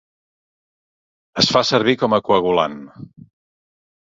Es fa servir com a coagulant.